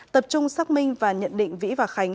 tập trung xác minh và nhận định vĩ và khánh